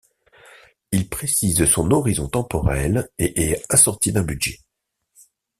Il précise son horizon temporel et est assorti d'un budget.